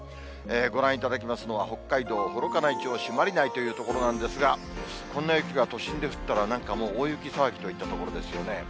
ご覧いただきますのは、北海道幌加内町朱鞠内という所なんですが、こんな雪が都心で降ったら、なんかもう大雪騒ぎといったところですよね。